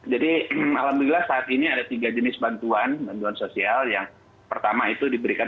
jadi alhamdulillah saat ini ada tiga jenis bantuan bantuan sosial yang pertama itu diberikan